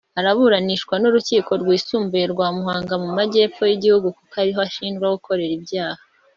Araburanishwa n'urukiko rwisumbuye rwa muhanga mu majyepfo y'igihugu kuko ariho ashinjwa gukorera ibyaha